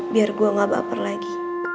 biar gue gak baper lagi